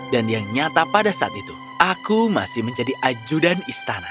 dan yang nyata pada saat itu aku masih menjadi ajudan istana